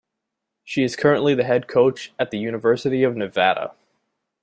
She is currently the head coach at the University of Nevada.